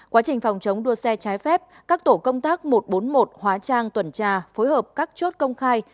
quá trình phòng chống đua xe trái phép các tổ công tác một trăm bốn mươi một hóa trang tuần tra phối hợp các chốt công khai